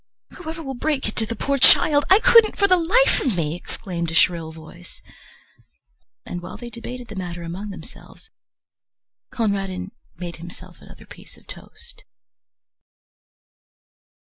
"Whoever will break it to the poor child? I couldn't for the life of me!" exclaimed a shrill voice. And while they debated the matter among themselves, Conradin made himself another piece of toast.